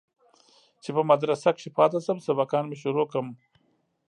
چې په مدرسه كښې پاته سم سبقان مې شروع كم.